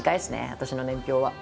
私の年表は。